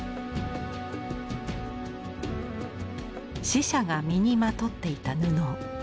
死者が身にまとっていた布。